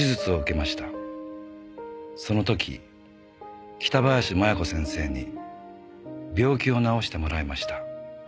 「その時北林麻弥子先生に病気を治してもらいました」